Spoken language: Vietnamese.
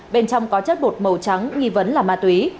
bên trong có chất bột màu trắng nghi vấn là ma túy